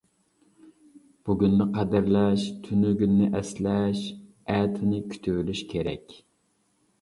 بۈگۈننى قەدىرلەش، تۈنۈگۈننى ئەسلەش، ئەتىنى كۈتۈۋېلىش كېرەك.